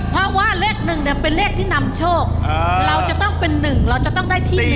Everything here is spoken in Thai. ๑เพราะว่าเลข๑เป็นเลขที่นำโชคเราจะต้องเป็น๑เราจะต้องได้ที่๑